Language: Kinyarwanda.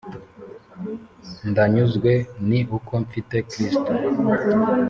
ndanyuzwe ni uko mfite kristo